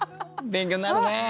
勉強になる！